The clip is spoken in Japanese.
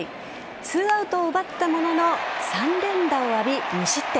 ２アウトを奪ったものの３連打を浴び、２失点。